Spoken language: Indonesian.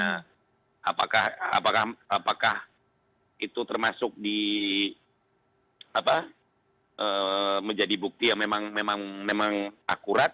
nah apakah itu termasuk menjadi bukti yang memang akurat